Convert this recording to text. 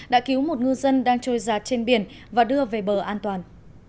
đã cứu một ngư dân đang trôi giặt trên biển và đưa về bờ an toàn